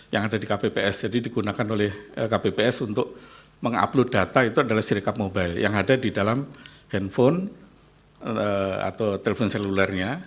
yang ada di kpps jadi digunakan oleh kpps untuk mengupload data itu adalah serikat mobile yang ada di dalam handphone atau telepon selulernya